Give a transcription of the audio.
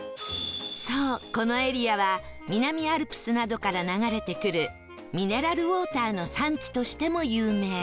そうこのエリアは南アルプスなどから流れてくるミネラルウォーターの産地としても有名